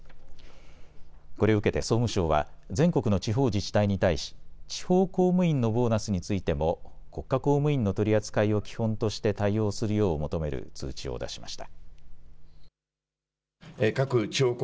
これを受けて総務省は全国の地方自治体に対し、地方公務員のボーナスについても国家公務員の取り扱いを基本として対応するよう求める通知を出しました。